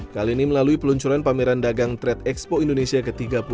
kali ini melalui peluncuran pameran dagang trade expo indonesia ke tiga puluh dua